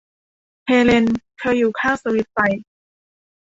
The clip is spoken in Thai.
เฮเลน เธออยู่ข้างสวิตช์ไฟ